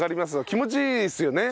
気持ちいいですよね。